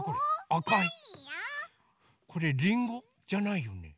これりんご？じゃないよね。